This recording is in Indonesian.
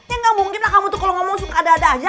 ya nggak mungkin lah kamu tuh kalau ngomong suka ada ada aja